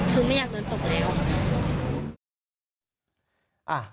คือไม่อยากโดนตกเลย